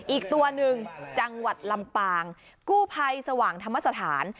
อีกตัวหนึ่งจังหวัดลำปางกู้ภัยสว่างธรรมสถาน